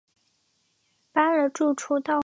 搬了住处到花莲